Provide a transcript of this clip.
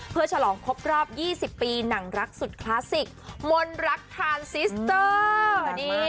เพื่อฉลองครบรอบ๒๐ปีหนังรักสุดคลาสสิกมนรักทานซิสเตอร์